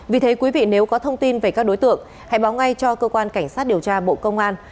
vì thế quý vị nếu có thông tin về các đối tượng hãy báo ngay cho cơ quan cảnh sát điều tra bộ công an